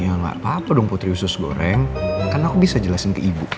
ya nggak apa apa dong putri usus goreng kan aku bisa jelasin ke ibu